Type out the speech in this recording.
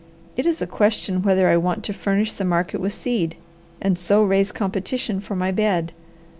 It is a question whether I want to furnish the market with seed, and so raise competition for my bed.